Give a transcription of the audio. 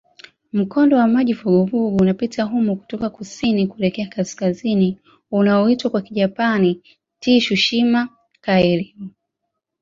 Mkondo wa maji vuguvugu unapita humo kutoka kusini kuelekea kaskazini unaoitwa kwa Kijapani "Tsushima-kairyū".